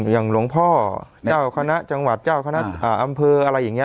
อย่างหลวงพ่อเจ้าคณะจังหวัดเจ้าคณะอำเภออะไรอย่างนี้